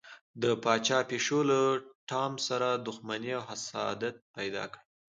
د پاچا پیشو له ټام سره دښمني او حسادت پیدا کړ.